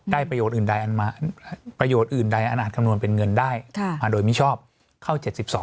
ได้ประโยชน์อื่นใดอันอาจคำนวณเป็นเงินได้มาโดยมิชชอบเข้า๗๒